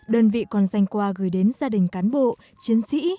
đơn vị còn dành quà gửi đến gia đình cán bộ chiến sĩ